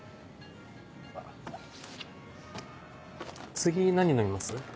次何飲みます？